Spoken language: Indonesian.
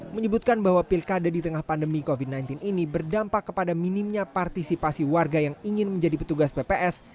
menyebutkan bahwa pilkada di tengah pandemi covid sembilan belas ini berdampak kepada minimnya partisipasi warga yang ingin menjadi petugas bps